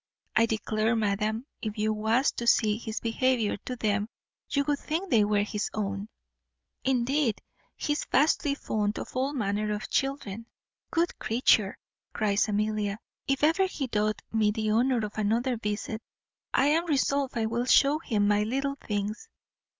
I declare, madam, if you was to see his behaviour to them, you would think they were his own. Indeed he is vastly fond of all manner of children." "Good creature!" cries Amelia; "if ever he doth me the honour of another visit I am resolved I will shew him my little things.